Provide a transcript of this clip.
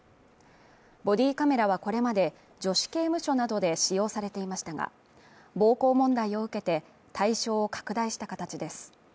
ボディーカメラはこれまで女子刑務所などで使用されていましたが、暴行問題を受けて、対象を拡大した形です。